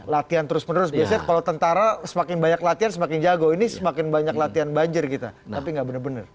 latihan terus menerus biasanya kalau tentara semakin banyak latihan semakin jago ini semakin banyak latihan banjir kita tapi nggak bener bener